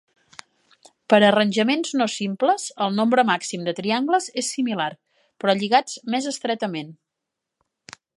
Per a arranjaments no simples, el nombre màxim de triangles és similar, però lligats més estretament.